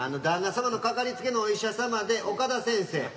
旦那様の掛かりつけのお医者様で岡田先生。